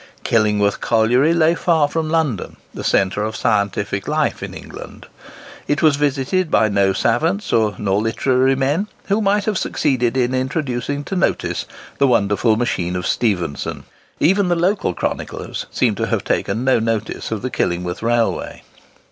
Killingworth Colliery lay far from London, the centre of scientific life in England. It was visited by no savans nor literary men, who might have succeeded in introducing to notice the wonderful machine of Stephenson. Even the local chroniclers seem to have taken no notice of the Killingworth Railway.